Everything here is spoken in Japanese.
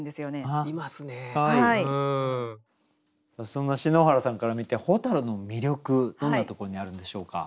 そんな篠原さんから見て蛍の魅力どんなところにあるんでしょうか？